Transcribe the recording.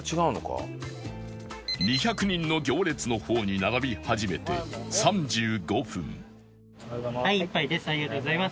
２００人の行列の方に並び始めて３５分はい１杯です。